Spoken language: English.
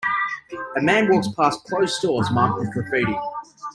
A man walks past closed stores marked with graffiti.